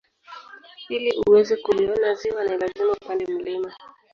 Ili uweze kuliona ziwa ni lazima upande mlima